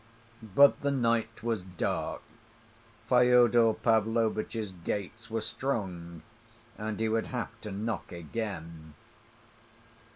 But the night was dark, Fyodor Pavlovitch's gates were strong, and he would have to knock again.